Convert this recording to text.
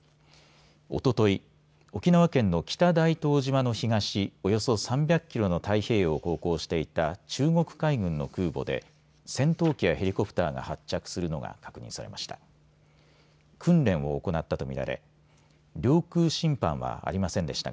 おととい、沖縄県の北大東島の東、およそ３００キロの大西洋を航行していた中国海軍の空母で戦闘機やヘリコプターが発着するのが確認されました。